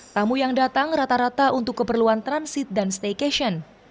tamu yang datang rata rata untuk keperluan transit dan staycation